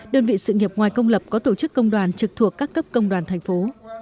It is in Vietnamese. đơn vị sự nghiệp ngoài công lập có tổ chức công đoàn trực thuộc các cấp công đoàn thành phố